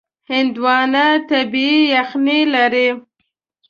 هندوانه طبیعي یخنۍ لري.